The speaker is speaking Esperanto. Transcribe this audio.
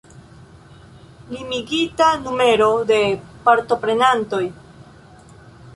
Limigita numero de partoprenantoj.